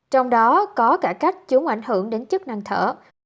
trong đó có cải cách chúng ảnh hưởng đến chức năng thở